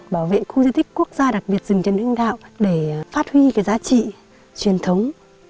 bảo vệ khu di tích quốc gia đặc biệt rừng trần hưng đạo để phát huy giá trị truyền thống